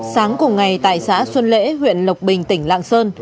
sáng cùng ngày tại xã xuân lễ huyện lộc bình tỉnh lạng sơn